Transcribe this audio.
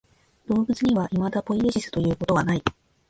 動物にはいまだポイエシスということはない。